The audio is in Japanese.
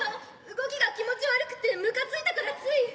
動きが気持ち悪くてむかついたからつい。